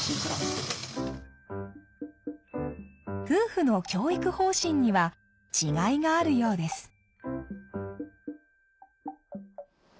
夫婦の教育方針には違いがあるようです。